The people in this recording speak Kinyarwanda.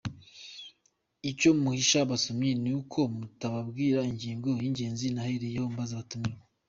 Icyo muhisha abasomyi ni uko mutanababwira ingingo y’ingenzi nahereyeho mbaza abatumirwa.